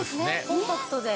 コンパクトで。